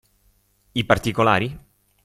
I particolari?